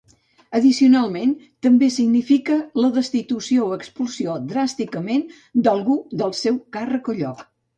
Addicionalment, també significa la destitució o expulsió dràsticament d'algú del seu càrrec o lloc.